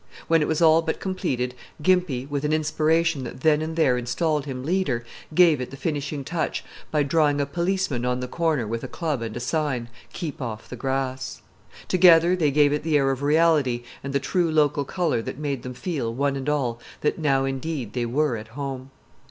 When it was all but completed, Gimpy, with an inspiration that then and there installed him leader, gave it the finishing touch by drawing a policeman on the corner with a club, and a sign, "Keep off the grass." Together they gave it the air of reality and the true local color that made them feel, one and all, that now indeed they were at home.